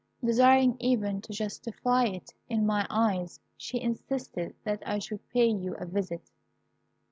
Desiring even to justify it in my eyes, she insisted that I should pay you a visit.